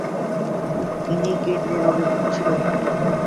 তিনি কিডনি রোগে ভুগছিলেন।